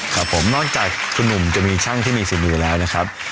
ครับผมนอกจากคุณหนุ่มจะมีช่างที่มีฝีมือแล้วนะครับ